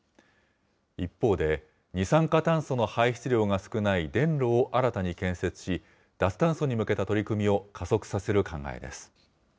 一方で、二酸化炭素の排出量が少ない電炉を新たに建設し、脱炭素に向けた取り組みを加速させる考えです。